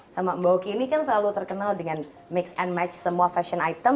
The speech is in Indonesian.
sama mbak oki ini kan selalu terkenal dengan mix and match semua fashion item